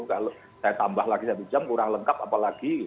kalau saya tambah lagi satu jam kurang lengkap apalagi